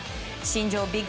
新庄